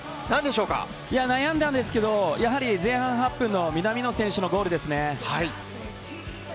悩んだんですけど、前半８分の南野選手のゴールですね。